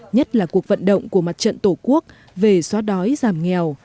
nhất là cuộc vận động của mặt trận tổ quốc về xóa đói giảm nghèo